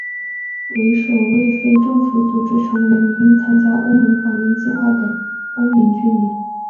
为首位以非政府组织成员名义参加欧盟访问计划的澳门居民。